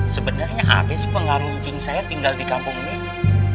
sebenernya abis pengaruh kencing saya tinggal di kampung ini ya pak ustadz